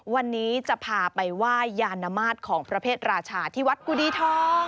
วันนี้จะพาไปไหว้ยานมาตรของประเภทราชาที่วัดกุดีทอง